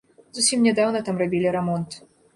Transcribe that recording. Зусім нядаўна там рабілі рамонт.